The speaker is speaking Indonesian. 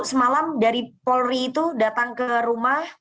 semalam dari polri itu datang ke rumah